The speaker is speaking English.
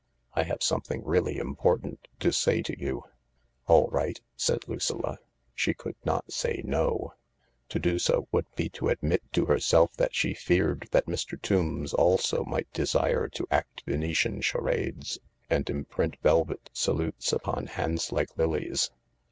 I have something really important to say to you." " All right," said Lucilla. She could not say ' No.' To do so would be to admit to herself that she feared that Mr. Tombs also might desire to act Venetian charades and imprint velvet salutes upon hands like lilies.